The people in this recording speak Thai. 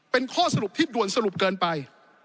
เป็นข้อสรุปที่ด่วนสรุปเกินไป